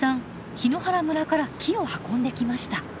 檜原村から木を運んできました。